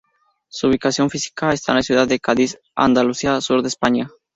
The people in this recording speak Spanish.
Su ubicación física está en la Ciudad de Cádiz, Andalucía, sur de España.